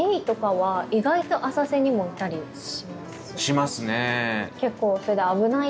しますね。